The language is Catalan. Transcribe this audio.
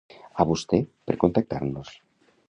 A vostè per contactar-nos.